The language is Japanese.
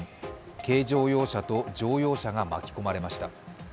軽乗用車と乗用車が巻き込まれました。